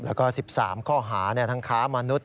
แล้วก็๑๓ข้อหาทั้งค้ามนุษย